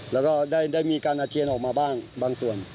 แล้วก็ได้มีการอาเจียนออกมาบ้างบางส่วน